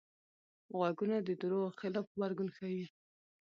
غوږونه د دروغو خلاف غبرګون ښيي